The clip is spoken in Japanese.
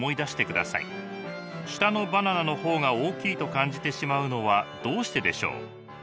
下のバナナの方が大きいと感じてしまうのはどうしてでしょう？